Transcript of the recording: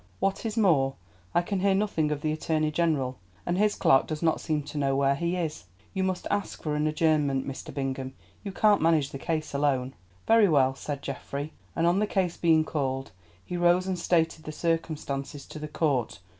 "What is more, I can hear nothing of the Attorney General, and his clerk does not seem to know where he is. You must ask for an adjournment, Mr. Bingham; you can't manage the case alone." "Very well," said Geoffrey, and on the case being called he rose and stated the circumstances to the court.